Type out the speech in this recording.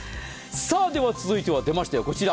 では続いては出ました、こちら。